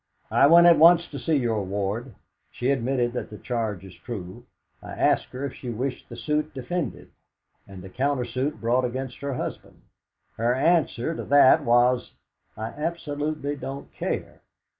"I went at once to see your ward. She admitted that the charge is true. I asked her if she wished the suit defended, and a counter suit brought against her husband. Her answer to that was: 'I absolutely don't care.'